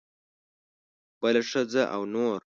بله ښځه او نور.